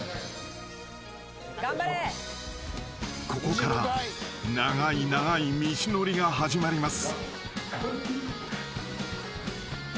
［ここから長い長い道のりが始まります］